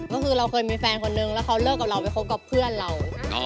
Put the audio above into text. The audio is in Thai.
ก็คือเราเคยมีแฟนคนนึงแล้วเขาเลิกกับเราไปคบกับเพื่อนเรา